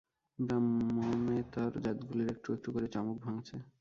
ব্রাহ্মণেতর জাতগুলির একটু একটু করে চমক ভাঙছে।